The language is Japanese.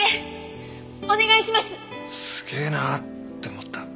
すげえなって思った。